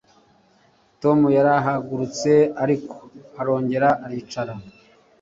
Tom yarahagurutse ariko arongera aricara